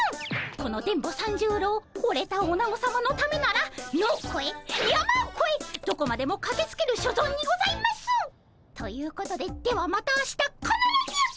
この電ボ三十郎ほれたおなごさまのためなら野をこえ山をこえどこまでもかけつける所存にございます！ということでではまた明日かならず！